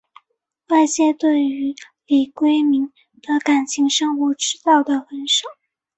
外界对于李闰珉的感情生活知道的很少。